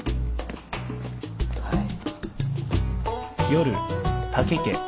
はい。